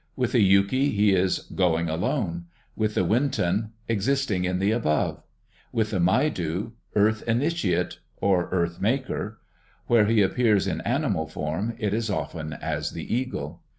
With the Yuki he is Going alone, with the Wintun Existing in the above, with the Maidu Earth initiate or Earth maker; where he appears in animal form it is often as the Eagle.